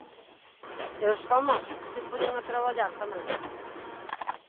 E os famosos que se poñan a traballar tamén!